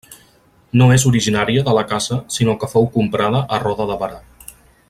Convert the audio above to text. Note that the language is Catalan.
No és originària de la casa sinó que fou comprada a Roda de Barà.